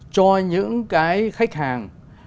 cho những cái khách hàng